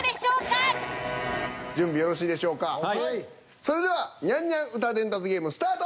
それではニャンニャン歌伝達ゲームスタート！